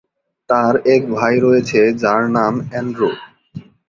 তাঁর এক ভাই রয়েছে, যার নাম অ্যান্ড্রু।